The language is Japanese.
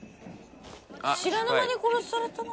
知らぬ間に殺されたな。